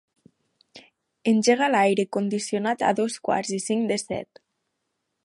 Engega l'aire condicionat a dos quarts i cinc de set.